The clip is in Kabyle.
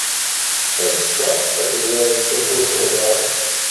Azekka, ad urarent takurt n uḍar.